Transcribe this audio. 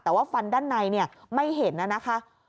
แต่ว่าฟันด้านในไม่เห็นนะคะ